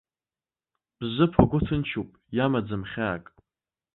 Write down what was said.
Бзыԥ агәы ҭынчуп, иамаӡам хьаак.